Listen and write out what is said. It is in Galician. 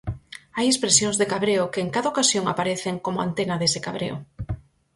Hai expresións de cabreo que en cada ocasión aparecen como antena dese cabreo.